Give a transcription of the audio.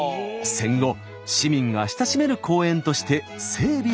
戦後市民が親しめる公園として整備されました。